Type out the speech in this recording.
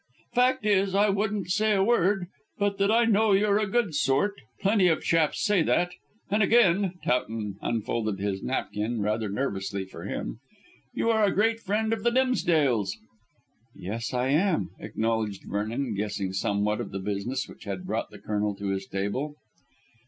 "Fact is, I wouldn't say a word, but that I know you're a good sort; plenty of chaps say that. And again," Towton unfolded his napkin rather nervously, for him, "you are a great friend of the Dimsdales." "Yes, I am," acknowledged Vernon, guessing somewhat of the business which had brought the Colonel to his table.